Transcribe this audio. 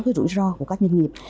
với rủi ro của các nhân nghiệp